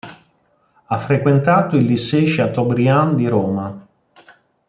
Ha frequentato il Lycée Chateaubriand di Roma.